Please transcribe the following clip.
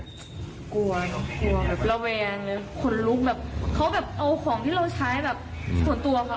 กลัวเนอะกลัวแบบระแวงเลยขนลุกแบบเขาแบบเอาของที่เราใช้แบบส่วนตัวค่ะ